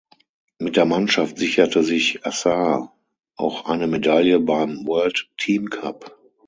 Mit der Mannschaft sicherte sich Assar auch eine Medaille beim World Team Cup.